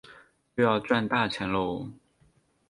又要赚大钱啰